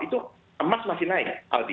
itu emas masih naik